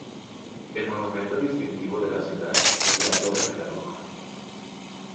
El monumento distintivo de la ciudad es la Torre de la Bruja.